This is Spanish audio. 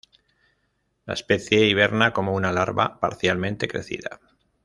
La especie hiberna como una larva parcialmente crecida.